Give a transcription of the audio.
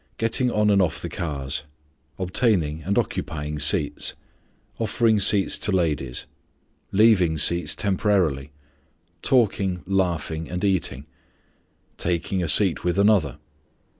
_ Getting on and off the cars. Obtaining and occupying seats. Offering seats to ladies. Leaving seats temporarily. Talking, laughing, and eating. _Taking a seat with another.